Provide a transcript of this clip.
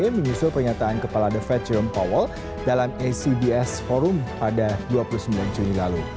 menyusul pernyataan kepala the fethereum powell dalam acbs forum pada dua puluh sembilan juni lalu